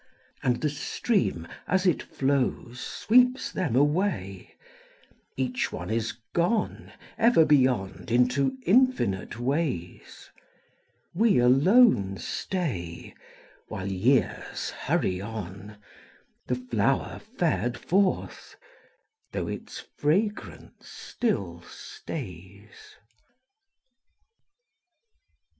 And the stream as it flows Sweeps them away, Each one is gone Ever beyond into infinite ways. We alone stay While years hurry on, The flower fared forth, though its fragrance still stays.